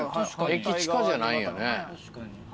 駅近じゃないんやね。